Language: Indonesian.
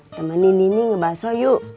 temenin ini ngebahas so yuk